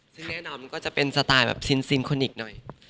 ซึ่งแน่นอนมันก็จะเป็นสไตล์แบบซินโคนิคหน่อย